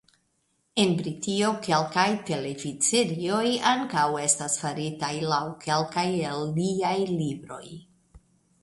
En Britio kelkaj televidserioj ankaŭ estis faritaj laŭ kelkaj el liaj libroj.